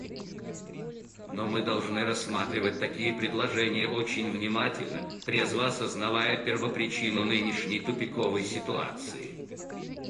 Но мы должны рассматривать такие предложения очень внимательно, трезво осознавая первопричину нынешней тупиковой ситуации.